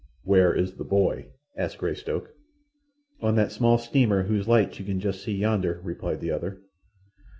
"Where is the boy?" asked Greystoke. "On that small steamer whose lights you can just see yonder," replied the other.